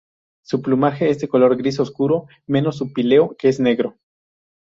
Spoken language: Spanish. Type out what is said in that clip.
Su plumaje es de color gris oscuro, menos su píleo que es negro.